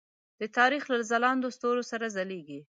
د تاریخ له ځلاندو ستورو سره ځلیږي.